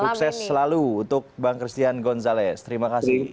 sukses selalu untuk bang christian gonzalez terima kasih